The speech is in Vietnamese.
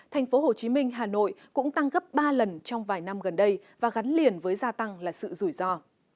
thành phố hồ chí minh hà nội cũng tăng gấp ba lần trong vài năm gần đây và gắn liền với gia tăng là sự rủi ro